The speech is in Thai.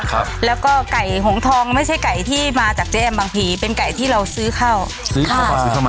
ครับแล้วก็ไก่หงทองไม่ใช่ไก่ที่มาจากเจ๊แอมบางทีเป็นไก่ที่เราซื้อข้าวซื้อข้าวก็ซื้อเข้ามา